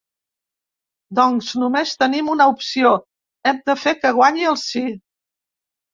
Doncs només tenim una opció: hem de fer que guanyi el sí.